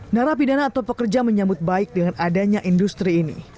narapidana atau pekerja menyambut baik dengan adanya industri ini